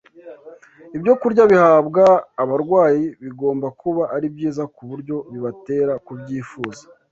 Ibyokurya bihabwa abarwayi bigomba kuba ari byiza ku buryo bibatera kubyifuza